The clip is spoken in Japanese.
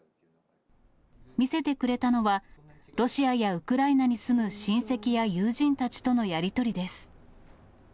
見せてくれたのは、ロシアやウクライナに住む親戚や友人たちとのやり取りです。